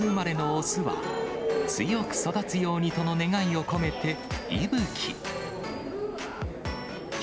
眼な８月生まれな雄は、強く育つようにとの願いを込めていぶき。